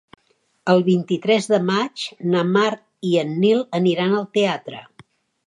El vint-i-tres de maig na Mar i en Nil aniran al teatre.